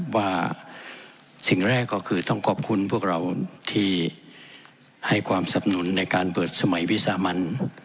ว่าสิ่งแรกก็คือต้องขอบคุณพวกเราที่ให้ความสับหนุนในการเปิดสมัยวิสามัน